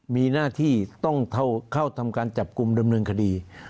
มีหน้าที่ต้องเข้าทำการจับกลุ่มดำเนินคดี